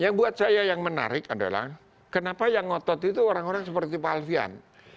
yang buat saya yang menarik adalah kenapa yang ngotot itu orang orang seperti pak alfian